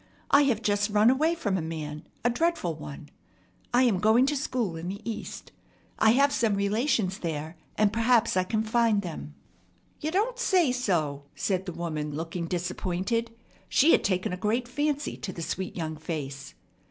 I have just run away from a man, a dreadful one. I am going to school in the East. I have some relations there, and perhaps I can find them." "You don't say so!" said the woman, looking disappointed. She had taken a great fancy to the sweet young face.